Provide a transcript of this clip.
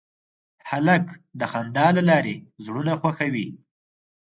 هلک د خندا له لارې زړونه خوښوي.